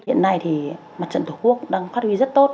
hiện nay thì mặt trận tổ quốc đang phát huy rất tốt